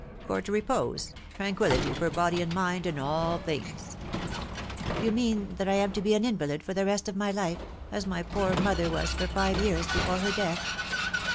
Court repose tran quillity for body and mind in all things." " You mean that I am to be an invalid for the rest of my life, as^my poor mother was for five years before her death